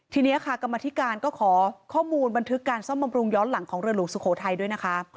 ทีนี้ค่ะกรรมธิการก็ขอข้อมูลบันทึกการซ่อมบำรุงย้อนหลังของเรือหลวงสุโขทัยด้วยนะคะ